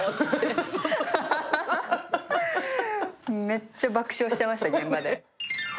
めっちゃ爆笑してました、現場で。